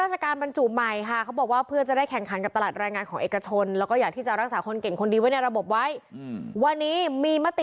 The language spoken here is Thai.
จะได้มาบุชประมาณ๒ปี๖ปีปี๘ปีแล้วก็ได้กลับมากนิดหนึ่งปีเดือน